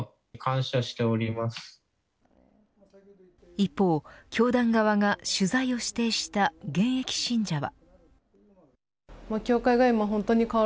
一方、教団側が取材を指定した現役信者は。